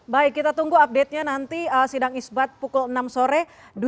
baik kita tunggu update nya nanti sidang isbat pukul enam sore